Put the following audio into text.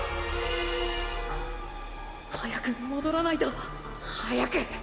早く戻らないと早く！